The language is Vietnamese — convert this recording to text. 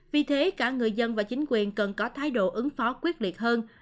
vì thế cả người dân và chính quyền cần có thái độ ứng phó quyết liệt hơn